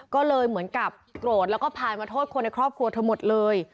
ก็เลยเหมือนกับโกรธแล้วก็พายมาโทษคนในครอบครัวเธอหมดเลย